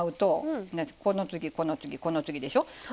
この次この次この次でしょ。